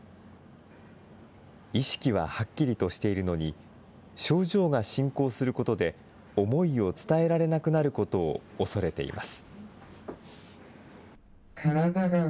意識ははっきりとしているのに、症状が進行することで、思いを伝えられなくなることを恐れています。